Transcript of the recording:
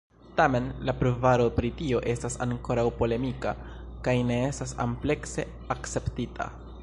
Tamen, la pruvaro pri tio estas ankoraŭ polemika kaj ne estas amplekse akceptita.